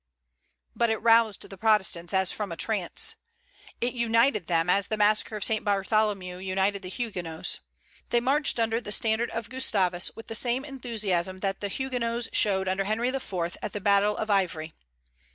But it roused the Protestants as from a trance. It united them, as the massacre of St. Bartholomew united the Huguenots. They marched under the standard of Gustavus with the same enthusiasm that the Huguenots showed under Henry IV. at the battle of Ivry.